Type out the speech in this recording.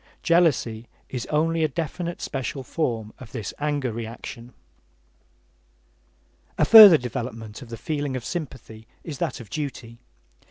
Jealousy is only a definite special form of this anger reaction. A further development of the feeling of sympathy is that of duty.